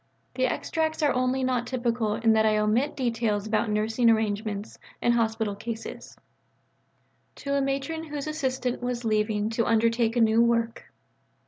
The extracts are only not typical in that I omit details about nursing arrangements and hospital cases: (_To a Matron whose assistant was leaving to undertake a new work.